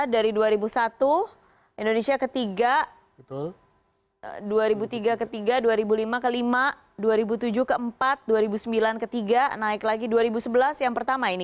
dari dua ribu satu indonesia ketiga dua ribu tiga ketiga dua ribu lima kelima dua ribu tujuh keempat dua ribu sembilan ketiga naik lagi dua ribu sebelas yang pertama ini